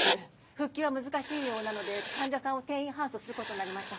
復旧は難しいようなので患者さんを転院搬送することになりました